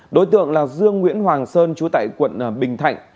đối tượng là dương nguyễn hoàng sơn trú tại quận bình thạnh